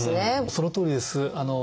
そのとおりです。